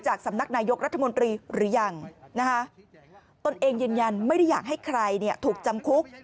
สำนักนายกรัฐมนตรีหรือยังนะคะตนเองยืนยันไม่ได้อยากให้ใครถูกจำคุก